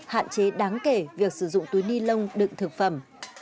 hạn chế đáng kể việc sử dụng túi ni lông đựng thực phẩm